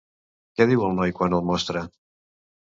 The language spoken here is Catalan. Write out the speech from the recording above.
Què diu el noi quan el mostra?